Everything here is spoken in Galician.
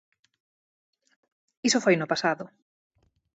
Iso foi no pasado.